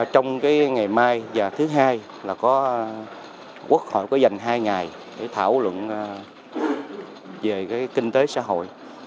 trong ngày mai và thứ hai là có quốc hội có dành hai ngày để thảo luận về kinh tế xã hội